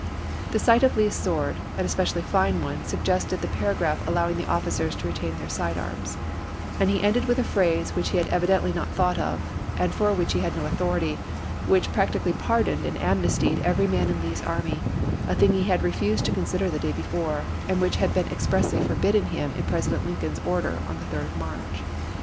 The sight of Lee's sword, an especially fine one, suggested the para graph allowing officers to retain their side arms ; and he ended with a phrase which he had evidently not thought of, and for which he had no authority, which practically pardoned and amnestied every man in Lee's army — a thing he had refused to consider the day before, and which had been ex pressly forbidden him in President Lincoln's order of the 3d of March.